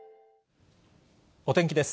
お天気です。